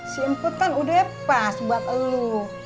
si emput kan udah pas buat lu